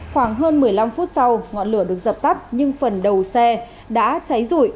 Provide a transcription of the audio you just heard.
khoảng hơn một mươi năm phút sau ngọn lửa được dập tắt nhưng phần đầu xe đã cháy rụi